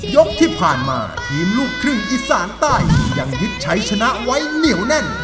ยกที่ผ่านมาทีมลูกครึ่งอีสานใต้ยังยึดใช้ชนะไว้เหนียวแน่น